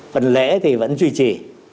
phần lễ thì vẫn duy trì